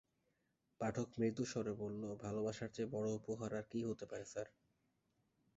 পাঠক মৃদু স্বরে বলল, ভালবাসার চেয়ে বড় উপহার আর কী হতে পারে স্যার!